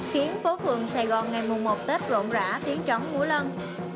khiến phố phường sài gòn ngày mùa một tết rộn rã tiếng tróng múa lăn